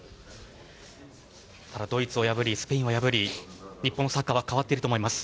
ただ、ドイツを破りスペインを破り日本のサッカーは変わっていると思います。